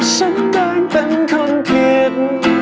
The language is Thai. ฉันได้เป็นคนผิด